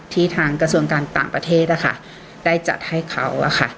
ทางกระทรวงการต่างประเทศนะคะได้จัดให้เขา